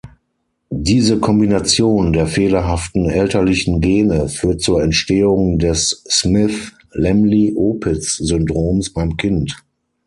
Diese Kombination der fehlerhaften elterlichen Gene führt zur Entstehung des Smith-Lemli-Opitz-Syndroms beim Kind.